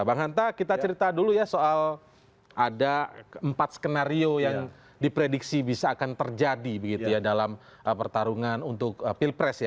bang hanta kita cerita dulu ya soal ada empat skenario yang diprediksi bisa akan terjadi begitu ya dalam pertarungan untuk pilpres ya